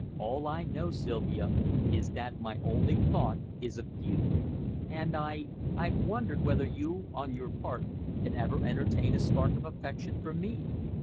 All I know, Sylvia, is that my only thought is of you. And I I've wondered whether you, on your part, can ever entertain a spark of affection for me?"